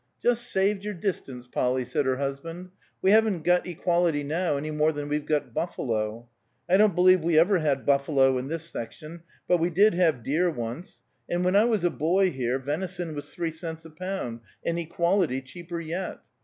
"Just saved your distance, Polly," said her husband. "We haven't got equality now, any more than we've got buffalo. I don't believe we ever had buffalo in this section; but we did have deer once; and when I was a boy here, venison was three cents a pound, and equality cheaper yet.